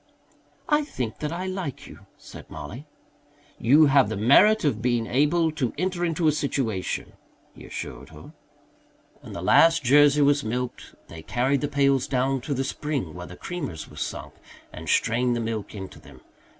"I think that I like you," said Mollie. "You have the merit of being able to enter into a situation," he assured her. When the last Jersey was milked they carried the pails down to the spring where the creamers were sunk and strained the milk into them.